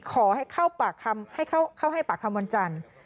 ขอให้เข้าให้ปากคำวันจันทร์